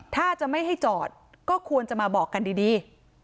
ถ้าจะไม่ให้จอดก็ควรจะมาบอกกันดี